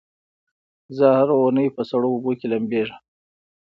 زه هره اونۍ په سړو اوبو کې لمبېږم.